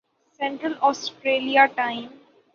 central Australia time